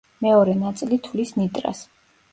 მეორე ნაწილი თვლის ნიტრას.